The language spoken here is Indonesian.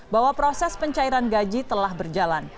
bahwa proses pencairan gaji telah berjalan